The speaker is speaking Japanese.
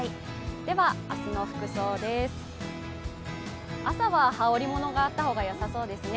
では明日の服装です、朝は羽織り物があった方がよさそうですね。